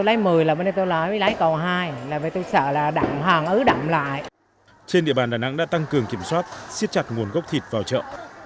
siết chặt nguồn gốc thịt lợn giảm gần bảy mươi so với trước đó